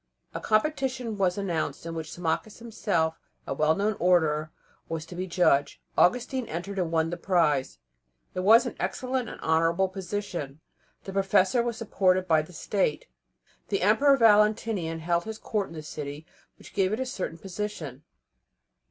A competition was announced in which Symmachus, himself a well known orator, was to be the judge. Augustine entered and won the prize. It was an excellent and honourable position. The professor was supported by the State. The Emperor Valentinian held his Court in the city, which gave it a certain position.